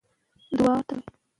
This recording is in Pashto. استاد اوس مثال وایي.